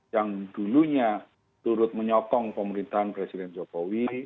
yang dulunya turut menyokong pemerintahan presiden jokowi